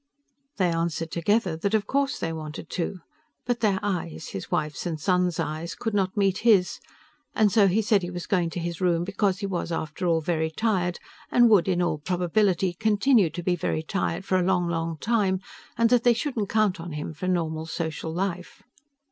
They answered together that of course they wanted to. But their eyes his wife's and son's eyes could not meet his, and so he said he was going to his room because he was, after all, very tired and would in all probability continue to be very tired for a long, long time and that they shouldn't count on him for normal social life.